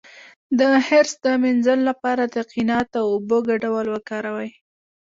د حرص د مینځلو لپاره د قناعت او اوبو ګډول وکاروئ